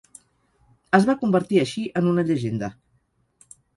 Es va convertir així en una llegenda.